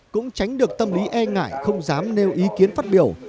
cũng tránh được tâm lý e ngại không dám nêu ý kiến phát biểu